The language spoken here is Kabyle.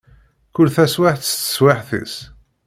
Kul taswiɛt s teswiɛt-is.